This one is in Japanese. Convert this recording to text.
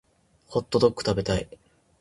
ホットドック食べたい